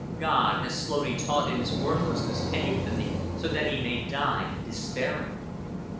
God has slowly taught him his worthlessness and infamy, so that he may die despairing.